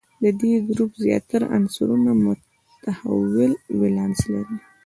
د دې ګروپ زیاتره عنصرونه متحول ولانس لري.